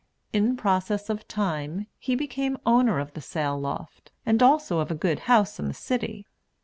In process of time, he became owner of the sail loft, and also of a good house in the city.